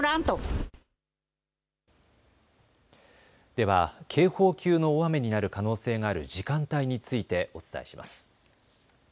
では警報級の大雨になる可能性がある時間帯についてお伝えします。